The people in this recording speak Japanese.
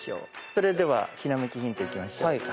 それではひらめきヒントいきましょうか。